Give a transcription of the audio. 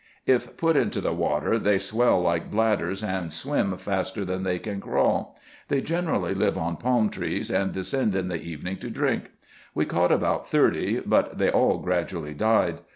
If put into the water, they swell like bladders, and swim faster than they can crawl. They generally live on palm trees, and descend in the evening to drink. We caught about thirty, but they all gradually died.